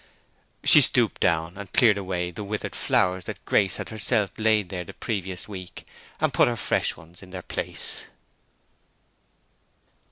She stooped down and cleared away the withered flowers that Grace and herself had laid there the previous week, and put her fresh ones in their place.